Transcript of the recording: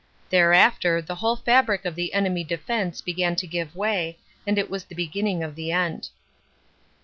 Thereafter the whole fabric of the enemy defense began to give way and it was the beginning of the end.